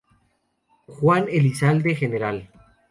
Juan Elizalde, Gral.